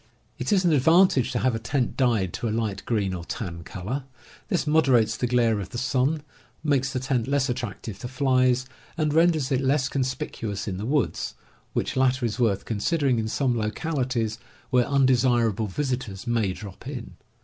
It is an advantage to have a tent dyed to a Hght green or tan color. This moderates the glare of the . sun, makes the tent less attractive to yeing gjgg^ a^jj(j renders it less conspicuous in the woods, which latter is worth con sidering in some localities where undesirable visitors may drop in.